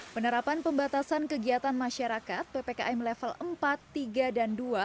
penerapan pembatasan kegiatan masyarakat ppkm level empat tiga dan dua